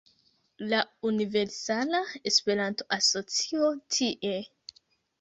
La Universala Esperanto-Asocio tie